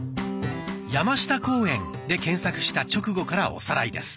「山下公園」で検索した直後からおさらいです。